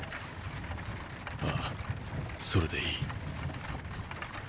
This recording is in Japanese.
あぁそれでいい。